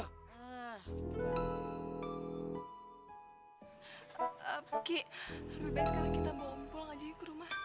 cik harus bebas sekarang kita pulang aja ke rumah